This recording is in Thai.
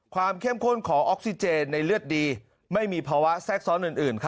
เข้มข้นของออกซิเจนในเลือดดีไม่มีภาวะแทรกซ้อนอื่น